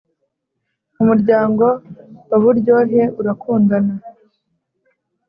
umuryango wa buryohe urakundana